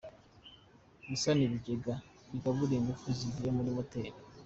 Gusana ibigega bigabura ingufu zivuye muri moteri.